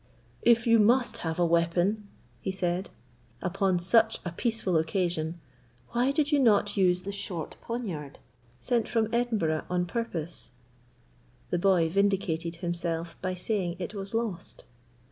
"If you must have a weapon," he said, "upon such a peaceful occasion, why did you not use the short poniard sent from Edinburgh on purpose?" The boy vindicated himself by saying it was lost.